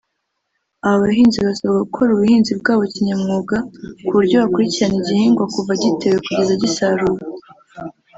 Aba bahinzi basabwa gukora ubuhinzi bwabo kinyamwuga ku buryo bakurikirana igihingwa kuva gitewe kugeza gisaruwe